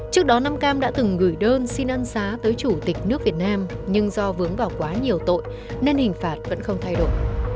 trước đó nam cam đã từng gửi đơn xin ăn giá tới chủ tịch nước việt nam nhưng do vướng vào quá nhiều tội nên hình phạt vẫn không thay đổi